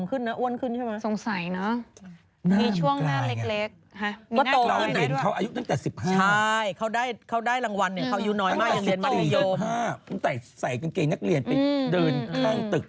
ตั้งแต่๑๔๑๕ตั้งแต่ใส่กางเกลียนนักเรียนไปเดินข้างตึก